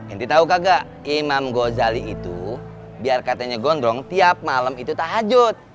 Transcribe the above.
enti tau kagak imam ghazali itu biar katanya gondrong tiap malam itu tahajud